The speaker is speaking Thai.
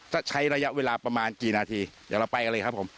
ถ้าใช้ระยะเวลาประมาณกี่นาทีเดี๋ยวเราไปกันเลยครับผม